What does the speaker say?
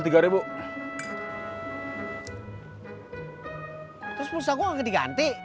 terus pengusaha gue gak diganti